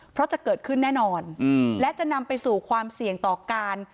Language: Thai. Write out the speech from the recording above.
เพราะจะเกิดขึ้นแน่นอนและจะนำไปสู่ความเสี่ยงต่อการ